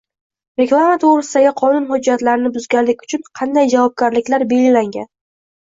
Reklama to‘g‘risidagi qonun hujjatlarini buzganlik uchun qanday javobgarliklar belgilangan?